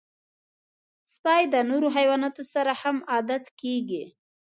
سپي د نورو حیواناتو سره هم عادت کېږي.